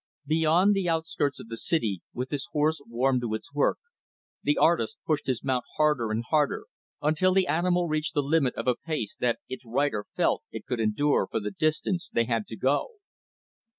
Beyond the outskirts of the city, with his horse warmed to its work, the artist pushed his mount harder and harder until the animal reached the limit of a pace that its rider felt it could endure for the distance they had to go.